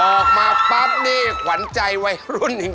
ออกมาปั๊บนี่ขวัญใจวัยรุ่นจริง